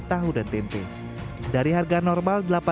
tahu dan tempe dari harga normal